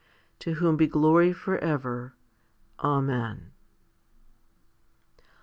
To whom be glory for ever. Amen.